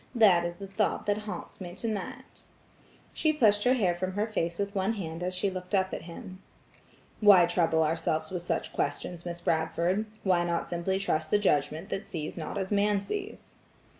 That is the thought that haunts me tonight." She pushed her hair from her face with one hand as she looked up at him. "Why trouble ourselves with such questions, Miss Bradford? Why not simply trust the judgment that sees not as man sees?"